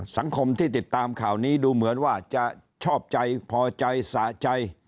สังคมที่ติดตามข่าวนี้ดูเหมือนว่าจะชอบใจพอใจสะใจ